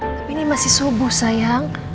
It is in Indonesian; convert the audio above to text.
tapi ini masih subuh sayang